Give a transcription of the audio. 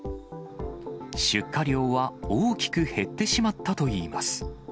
出荷量は大きく減ってしまったといいます。